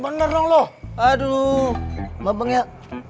maaf bang ya